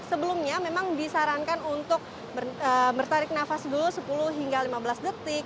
sebelumnya memang disarankan untuk bertarik nafas dulu sepuluh hingga lima belas detik